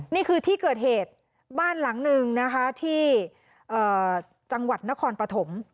นี่คือที่เกิดเหตุบ้านหลังหนึ่งนะคะที่จังหวัดนครปฐม